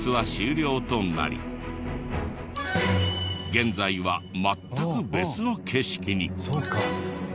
現在は全く別の景色に。